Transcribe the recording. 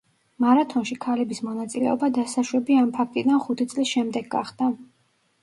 მარათონში ქალების მონაწილეობა დასაშვები ამ ფაქტიდან ხუთ წლის შემდეგ გახდა.